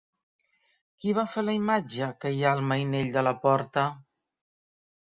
Qui va fer la imatge que hi ha al mainell de la porta?